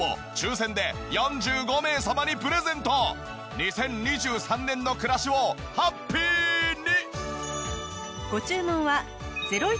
２０２３年の暮らしをハッピーに！